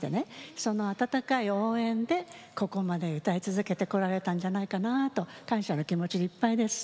その温かい応援でここまで歌い続けてこられたんじゃないかなあと感謝の気持ちでいっぱいです。